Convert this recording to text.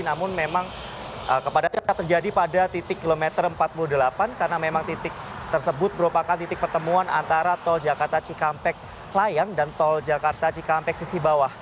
namun memang kepadatan terjadi pada titik kilometer empat puluh delapan karena memang titik tersebut merupakan titik pertemuan antara tol jakarta cikampek layang dan tol jakarta cikampek sisi bawah